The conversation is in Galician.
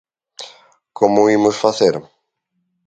¿Como o imos facer?